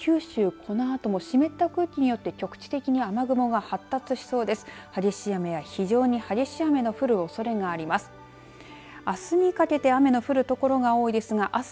このあとも湿った空気によって局地的に雨雲が発達しそうです。